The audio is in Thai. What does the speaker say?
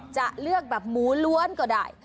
จะเลือกแบบหมูล้วนก็ได้